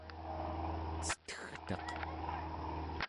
cetegtaq